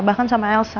bahkan sama elsa